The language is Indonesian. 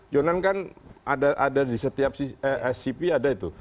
jonan kan ada di setiap scp ada itu